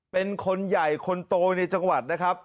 เป็นคนใหญ่คนโตในจังหวัดนะครับ